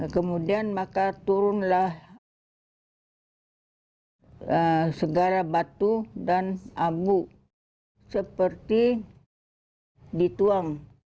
kemudian maka turunlah segara batu dan abu seperti dituang